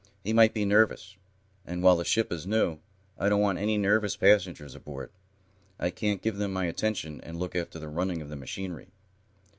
He might be nervous, and, while the ship is new, I don't want any nervous passengers aboard. I can't give them my attention and look after the running of the machinery."